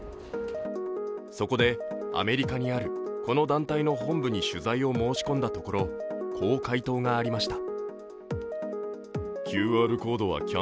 そこでアメリカにあるこの団体の本部に取材を申し込んだところこう回答がありました。